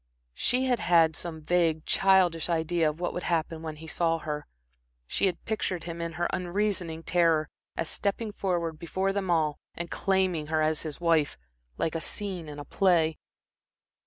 She had had some vague, childish idea of what would happen when he saw her. She had pictured him in her unreasoning terror, as stepping forward before them all and claiming her as his wife, like a scene in a play.